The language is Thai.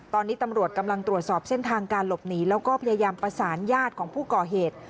ตอนนี้ตำรวจกำลังตรวจสอบเส้นทางการหลบหนีแล้วก็พยายามประสานญาติของผู้ก่อเหตุ